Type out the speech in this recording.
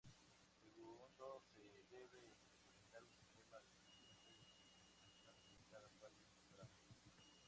Segundo, se debe implementar un sistema de seguimiento y documentación de cada falla encontrada.